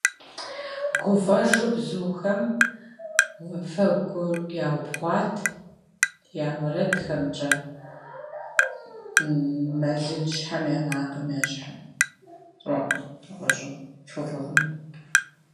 Веселые птицы заполнили воздух своими песнями, словно хор ангелов.